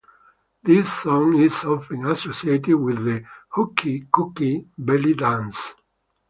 This song is often associated with the hoochie coochie belly dance.